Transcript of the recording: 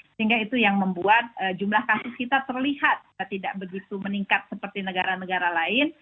sehingga itu yang membuat jumlah kasus kita terlihat tidak begitu meningkat seperti negara negara lain